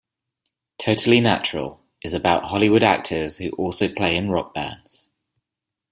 "Totally Natural" is about Hollywood actors who also play in rock bands.